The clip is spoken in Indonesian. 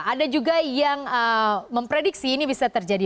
ada juga yang memprediksi ini bisa terjadi